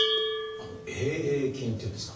Ａ．ａ．菌っていうんですか。